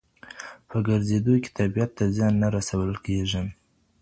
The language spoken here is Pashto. په ګرځېدو کي طبیعت ته زیان نه رسول کېږي.